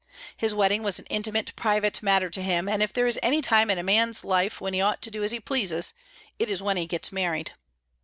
His wedding was an intimate, private matter to him, and if there is any time in a man's life when he ought to do as he pleases it is when he gets married.